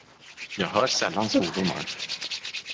Jag hör sällan svordomar.